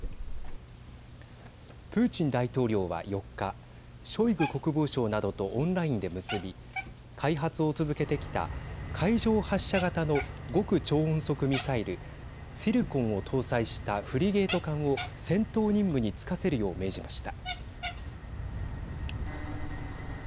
プーチン大統領は４日ショイグ国防相などとオンラインで結び開発を続けてきた海上発射型の極超音速ミサイルツィルコンを搭載したフリゲート艦を戦闘任務に就かせるよう命じました。